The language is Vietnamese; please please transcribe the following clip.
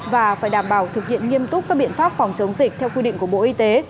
và phải đảm bảo thực hiện nghiêm túc các biện pháp phòng chống dịch theo quy định của bộ y tế